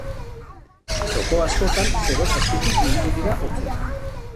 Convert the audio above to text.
Txoko askotan zeroz azpitik ibili dira hotzenak.